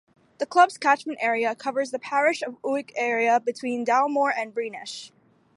The club's catchment area covers the Parish of Uig area between Dalmore and Breanish.